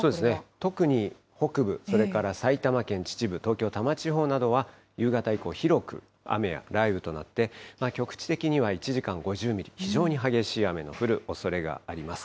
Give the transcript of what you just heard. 特に北部、それから埼玉県秩父、東京・多摩地方などは、夕方以降、広く雨や雷雨となって、局地的には１時間５０ミリ、非常に激しい雨の降るおそれがあります。